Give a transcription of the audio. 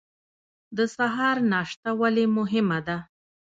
د سهار ناشته ولې مهمه ده؟